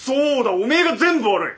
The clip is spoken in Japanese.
おめえが全部悪い！